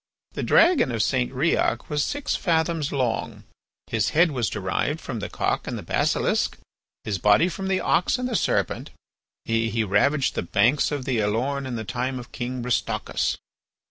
The dragon of St. Riok was six fathoms long; his head was derived from the cock and the basilisk, his body from the ox and the serpent; he ravaged the banks of the Elorn in the time of King Bristocus.